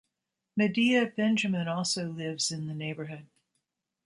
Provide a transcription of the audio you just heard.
Medea Benjamin also lives in the neighborhood.